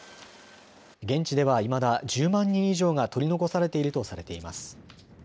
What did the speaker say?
現地ではいまだ１０万人以上が取り残されているとされています。